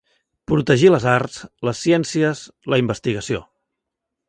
Protegir les arts, les ciències, la investigació.